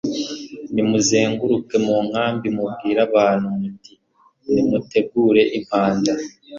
nimuzenguruke mu nkambi mubwire abantu muti nimutegure impamba